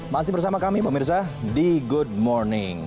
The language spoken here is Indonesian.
masih bersama kami pemirsa di good morning